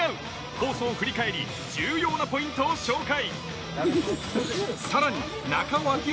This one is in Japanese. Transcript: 放送を振り返り重要なポイントを紹介！